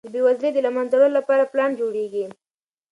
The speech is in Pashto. د بېوزلۍ د له منځه وړلو لپاره پلان جوړیږي.